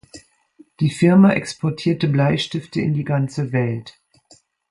Die Firma exportierte Bleistifte in die ganze Welt.